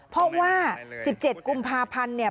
เพราะว่า๑๗กุมภาพันธ์เนี่ย